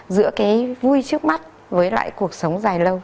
giữa cái vui trước mắt với lại cuộc sống dài lâu